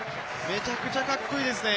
めちゃくちゃかっこいいですね。